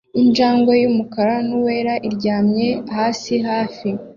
injangwe yumukara nuwera iryamye hasi hafi